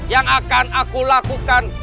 yang akan aku lakukan